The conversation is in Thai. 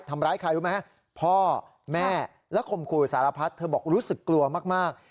ทำร้ายใครรู้ไหมฮะพ่อแม่และข่มขู่สารพัดเธอบอกรู้สึกกลัวมาก